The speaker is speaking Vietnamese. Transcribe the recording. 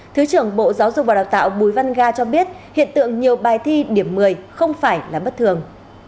thứ trưởng bộ giáo dục và đào tạo bùi văn ga cho biết hiện tượng nhiều bài thi điểm một mươi không phải là bất thường